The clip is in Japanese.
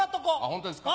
ホントですか？